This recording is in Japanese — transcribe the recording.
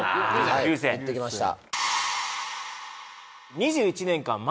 はい行ってきました